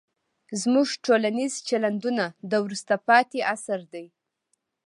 زموږ ټولنیز چلندونه د وروسته پاتې عصر دي.